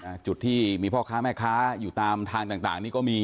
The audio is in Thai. จุดที่มีพ่อค้าแม่ค้าอยู่ตามทางต่างต่างนี่ก็มี